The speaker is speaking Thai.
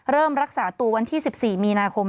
รักษาตัววันที่๑๔มีนาคม